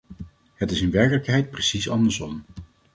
Het is in werkelijkheid precies andersom.